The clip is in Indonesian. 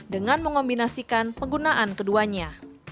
dengan mengombinasikan penggunaan keduanya